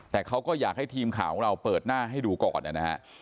แต่เขาก็อยากให้ทีมข่าวของเราเปิดหน้าให้ดูก่อนนะฮะ